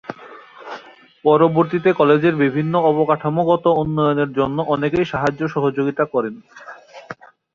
পরবর্তীতে কলেজের বিভিন্ন অবকাঠামোগত উন্নয়নের জন্য অনেকেই সাহায্য সহযোগিতা করেন।